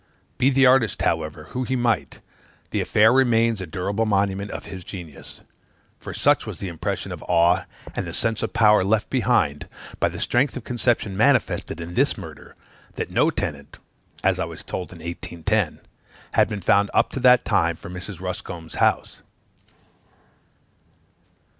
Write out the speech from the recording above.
Be the artist, however, who he might, the affair remains a durable monument of his genius; for such was the impression of awe, and the sense of power left behind, by the strength of conception manifested in this murder, that no tenant (as I was told in 1810) had been found up to that time for Mrs. Ruscombe's house.